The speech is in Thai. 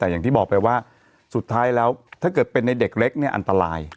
แต่อย่างที่บอกไปว่าสุดท้ายแล้วถ้าเกิดเป็นในเด็กเล็กเนี่ยอันตราย